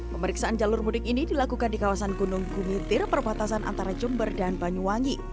pemeriksaan jalur mudik ini dilakukan di kawasan gunung gumitir perbatasan antara jember dan banyuwangi